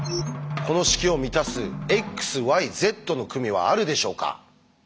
この式を満たす「ｘｙｚの組」はあるでしょうか？